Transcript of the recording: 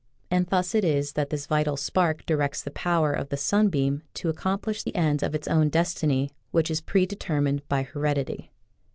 And thus it is that this vital spark directs the power of the sunbeam to accom plish the ends of its own destiny which is predetermined by heredity.